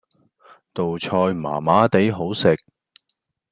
道菜麻麻地好食